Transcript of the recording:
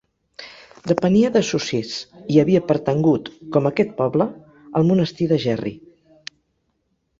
Depenia de Sossís, i havia pertangut, com aquest poble, al monestir de Gerri.